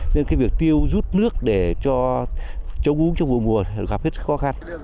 nên cái việc tiêu rút nước để cho chống uống trong vụ mùa gặp rất là khó khăn